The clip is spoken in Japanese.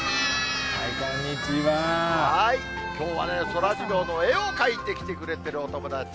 きょうはそらジローの絵を描いてきてくれてるお友達。